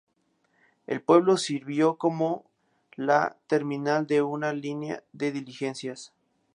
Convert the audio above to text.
El pueblo sirvió como la terminal de una línea de diligencias.